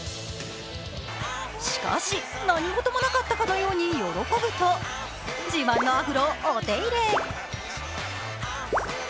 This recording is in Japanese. しかし何事もなかったかのように喜ぶと自慢のアフロをお手入れ。